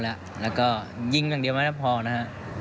แล้วก็ยิงอย่างเดียวไม่ได้พอนะฮะ